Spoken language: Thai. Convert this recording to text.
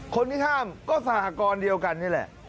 คนที่ห้ามก็สหกรณ์เดียวกันนี่แหละ